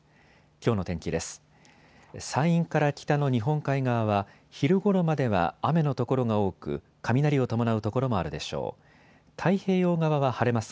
きょうの天気です。